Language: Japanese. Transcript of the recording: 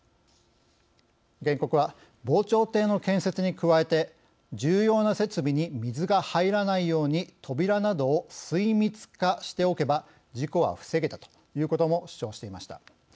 原告は、防潮堤の建設に加えて重要な設備に水が入らないように扉などを水密化しておけば事故は防げたということも主張していました。